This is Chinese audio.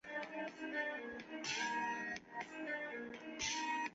枢机团内部对圣座对外政策的持续分歧造成这次教会分裂。